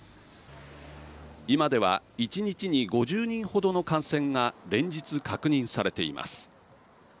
今では１日に５０人ほどの感染が連日確認されています。